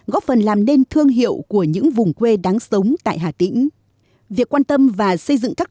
góp phần làm nên thương hiệu của những vùng quê đáng sống tại hà tĩnh việc quan tâm và xây dựng các